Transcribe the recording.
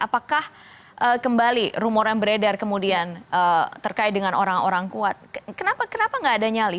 apakah kembali rumor yang beredar kemudian terkait dengan orang orang kuat kenapa nggak ada nyali